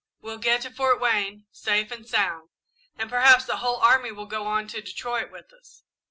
We'll get to Fort Wayne, safe and sound, and perhaps the whole army will go on to Detroit with us.